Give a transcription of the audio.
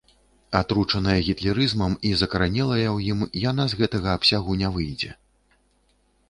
Атручаная гітлерызмам і закаранелая ў ім, яна з гэтага абсягу не выйдзе.